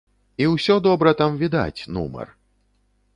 І усё добра там відаць, нумар.